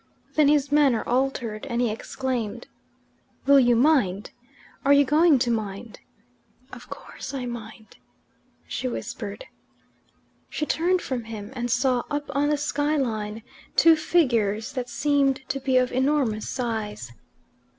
Then his manner altered, and he exclaimed: "Will you mind? Are you going to mind?" "Of course I mind," she whispered. She turned from him, and saw up on the sky line two figures that seemed to be of enormous size.